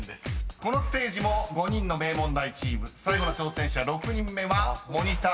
［このステージも５人の名門大チーム最後の挑戦者６人目はモニタールームから指名されます］